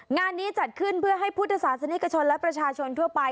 งานนี้จัดขึ้นเพื่อให้พุทธศาสนิกชนและประชาชนทั่วไป